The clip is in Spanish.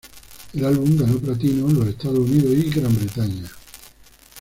El álbum ganó platino en los Estados Unidos y Gran Bretaña.